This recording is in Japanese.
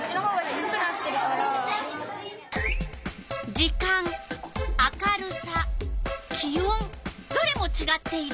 時間明るさ気温どれもちがっている。